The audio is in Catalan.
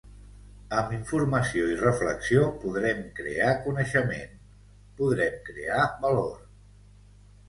Amb informació i reflexió podrem crear coneixement, podrem crear valor.